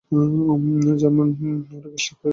German অরকেস্ট্রায় পরিবেশন করেন।